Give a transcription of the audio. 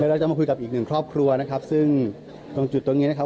เราจะมาคุยกับอีกหนึ่งครอบครัวนะครับซึ่งตรงจุดตรงนี้นะครับ